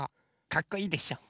かっこいいでしょ？